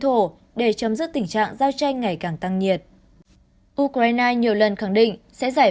thổ để chấm dứt tình trạng giao tranh ngày càng tăng nhiệt ukraine nhiều lần khẳng định sẽ giải